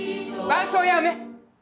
伴奏やめ。